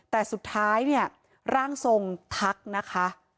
แต่สุดท้ายเนี่ยร่างทรงทักนะคะ